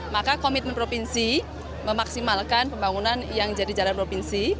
maka komitmen provinsi memaksimalkan pembangunan yang jadi jalan provinsi